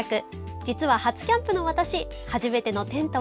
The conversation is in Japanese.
実は初キャンプの私初めてのテントは。